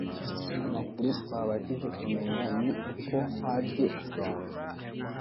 amakuru twabashije kumenya ni uko haabye itongo